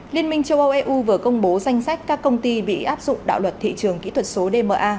liên minh châu âu eu vừa công bố danh sách các công ty bị áp dụng đạo luật thị trường kỹ thuật số dma